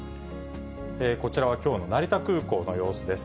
こちらはきょうの成田空港の様子です。